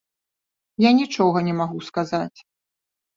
Я нічога не магу сказаць.